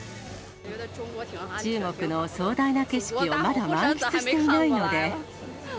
中国の壮大な景色をまだ満喫していないので。